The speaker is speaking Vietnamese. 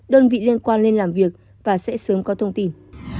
đơn vị liên quan lên làm việc và sẽ sớm có thông tin